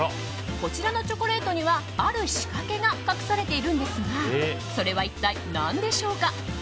こちらのチョコレートにはある仕掛けが隠されているんですがそれは一体何でしょうか。